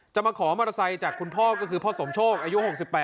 มาขอมอเตอร์ไซค์จากคุณพ่อก็คือพ่อสมโชคอายุ๖๘